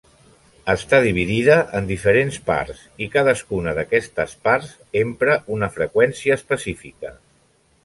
Està dividida en diferents parts i cadascuna d'aquestes parts empra una freqüència específica.